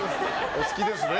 お好きですね。